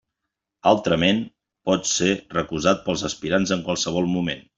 Altrament, pot ser recusat pels aspirants en qualsevol moment.